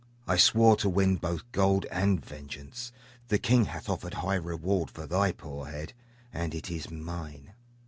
I swore to win both gold and vengeance. The king hath offered high reward for thy poor head, and it is mine.